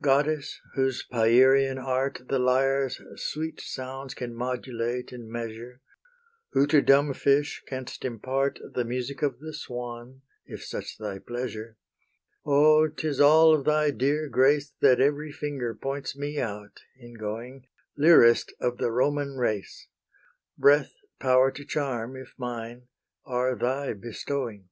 Goddess, whose Pierian art The lyre's sweet sounds can modulate and measure, Who to dumb fish canst impart The music of the swan, if such thy pleasure: O, 'tis all of thy dear grace That every finger points me out in going Lyrist of the Roman race; Breath, power to charm, if mine, are thy bestowing!